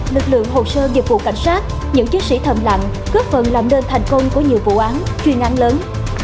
lực lượng hồ sơ dịch vụ cảnh sát những chiến sĩ thầm lặng cướp phần làm đơn thành công của nhiều vụ án truyền án lớn